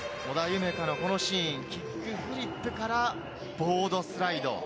海のこのシーン、キックフリップからボードスライド。